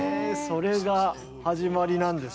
それが始まりなんで。